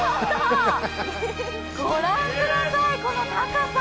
ご覧ください、この高さ。